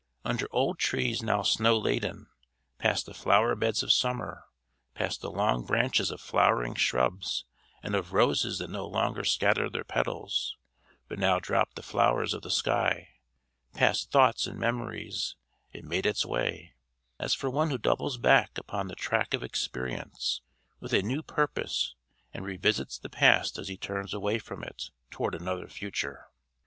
Under old trees now snow laden, past the flower beds of summer, past the long branches of flowering shrubs and of roses that no longer scattered their petals, but now dropped the flowers of the sky, past thoughts and memories, it made its way: as for one who doubles back upon the track of experience with a new purpose and revisits the past as he turns away from it toward another future.